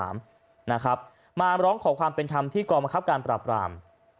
มาร้องขอความเป็นธรรมที่กองบังคับการปราบราม